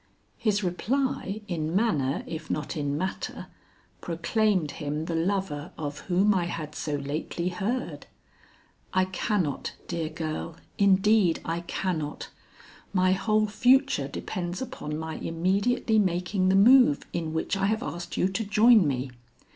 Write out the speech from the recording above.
His reply, in manner if not in matter, proclaimed him the lover of whom I had so lately heard. "I cannot, dear girl; indeed, I cannot. My whole future depends upon my immediately making the move in which I have asked you to join me.